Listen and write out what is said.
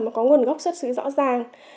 mà có nguồn gốc xuất sử rõ ràng